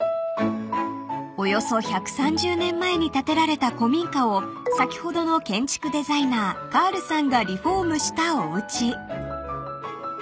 ［およそ１３０年前に建てられた古民家を先ほどの建築デザイナーカールさんがリフォームしたおうち］